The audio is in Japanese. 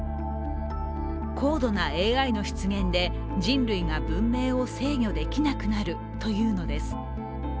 高度なＡＩの出現で人類が文明を制御できなくなるというのです。